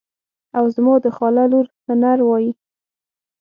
او زما د خاله لور هنر وایي.